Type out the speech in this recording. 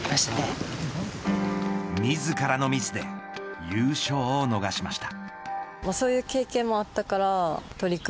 自らのミスで優勝を逃しました。